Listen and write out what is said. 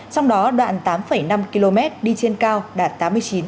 trong đó đoạn tám năm km đi trên cao đạt tám mươi chín